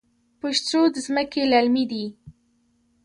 پشت رود ځمکې للمي دي؟